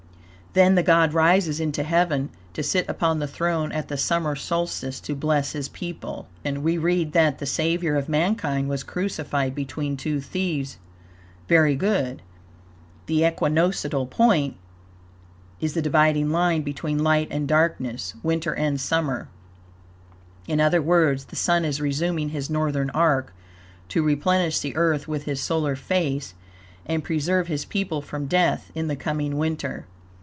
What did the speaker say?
Then the God rises into heaven, to sit upon the throne at the summer solstice, to bless his people. We read, that, the Savior of mankind was crucified between two thieves. Very good. The equinoctial point is the dividing line between light and darkness, winter and summer. In other words, the Sun is resuming his northern arc, to replenish the Earth with his solar force and preserve his people from death in the coming winter.